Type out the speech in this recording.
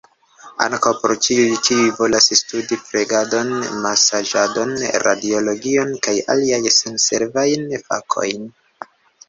Ankaŭ por ĉiuj kiuj volas studi flegadon, masaĝadon, radiologion, kaj aliajn sanservajn fakojn.